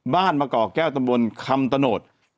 บ้านมะกอกแก้วตำบลคำตานสสมบัติ